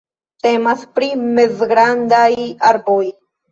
Temas pri mezgrandaj arboj.